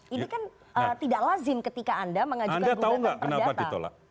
ini kan tidak lazim ketika anda mengajukan gugatan perdata